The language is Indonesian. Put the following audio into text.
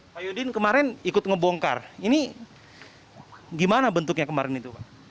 pak yudin kemarin ikut ngebongkar ini gimana bentuknya kemarin itu pak